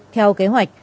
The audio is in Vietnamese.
theo kế hoạch